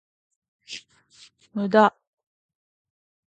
無駄